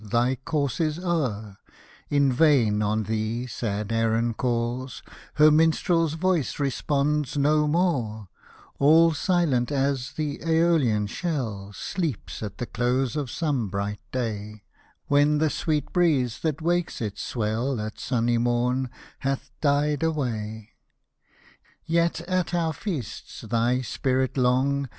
thy course is o'er ; In vain on thee sad Erin calls, Her minstrel's voice responds no more ;— All silent as th' Eolian shell Sleeps at the close of some bright day, When the sweet breeze, that waked its swell At sunny morn, hath died away. Yet, at our feasts, thy spirit long.